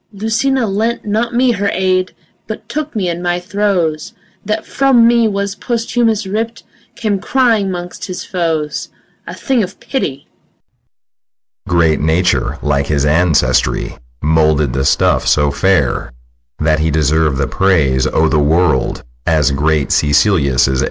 Lucina lent not me her aid, But took me in my throes, That from me was Posthumus ripp'd, Came crying 'mongst his foes, A thing of pity. SICILIUS. Great Nature like his ancestry Moulded the stuff so fair That he deserv'd the praise o' th' world As great Sicilius' heir.